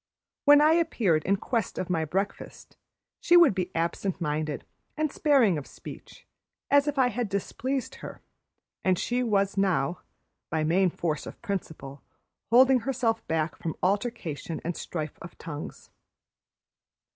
When I appeared in quest of my breakfast, she would be absent minded and sparing of speech, as if I had displeased her, and she was now, by main force of principle, holding herself back from altercation and strife of tongues.